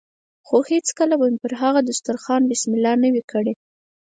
خو هېڅکله به مې هم پر هغه دسترخوان بسم الله نه وي کړې.